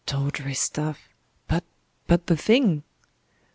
"Tawdry stuff! But but the thing!"